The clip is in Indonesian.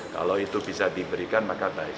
kalau itu bisa diberikan maka baik